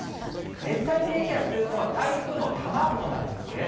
熱帯低気圧というのは台風の卵なんですね。